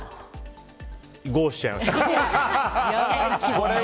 しちゃいました。